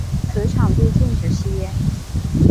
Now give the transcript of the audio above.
此场地禁止吸烟。